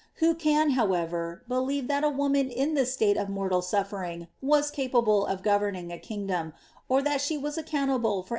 Who can, hov* ever, believe, that a wonuin in this state of mortal suffering was eipible of governing s kingdom, or that she was accoiratable for any thing dooe in it